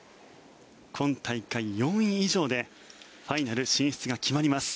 今大会、４位以上でファイナル進出が決まります。